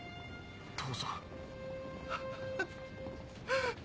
父さん。